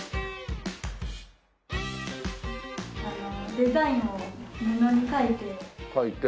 デザインを布に書いて。